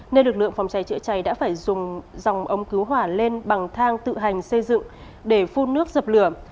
nên lực lượng phòng cháy chữa cháy đã phải dùng dòng ống cứu hỏa lên bằng thang tự hành xây dựng để phun nước dập lửa